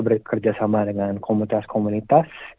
berkerjasama dengan komunitas komunitas